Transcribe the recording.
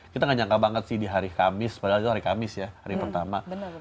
kita nggak nyangka banget sih di hari kamis padahal itu hari kamis ya hari pertama